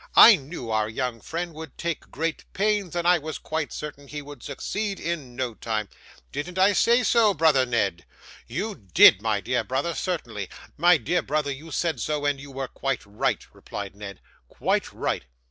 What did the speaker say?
'I knew our young friend would take great pains, and I was quite certain he would succeed, in no time. Didn't I say so, brother Ned?' 'You did, my dear brother; certainly, my dear brother, you said so, and you were quite right,' replied Ned. 'Quite right.